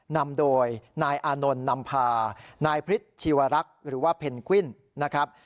นำโดยนายอานนท์นำพานายพฤษชีวรักษ์หรือว่าเพนกวิ้นนะครับ